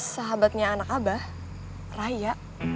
sahabatnya anak abah raya